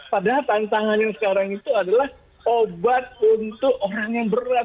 padahal tantangannya sekarang itu adalah obat untuk orang yang berat